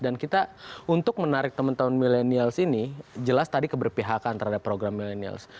dan kita untuk menarik teman teman milenials ini jelas tadi keberpihakan terhadap program milenials